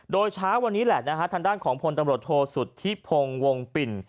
โดยเช้าวันนี้แหละนะฮะทางด้านของพลตำรวจโทษสุทธิพงศ์วงปิ่น